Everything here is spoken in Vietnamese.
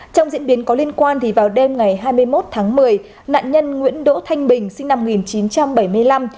trong diễn biến có liên quan vào đêm ngày hai mươi một tháng một mươi nạn nhân nguyễn đỗ thanh bình sinh năm một nghìn chín trăm bảy mươi năm